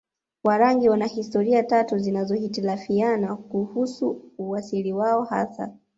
Warangi wana historia tatu zinazohitilafiana kuhusu uasili wao hasa